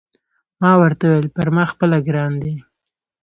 ما ورته وویل: پر ما خپله ګران دی.